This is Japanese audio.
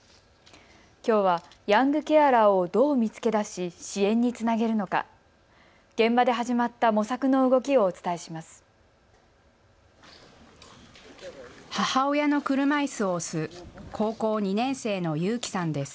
きょうはヤングケアラーをどう見つけ出し支援につなげるのか、現場で始まった模索の動きをお伝えします。